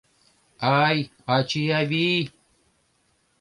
Ай, ачий-авий!